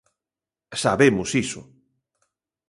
Sabemos iso.